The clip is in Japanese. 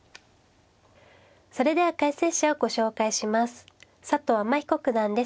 それでは解説者をご紹介します。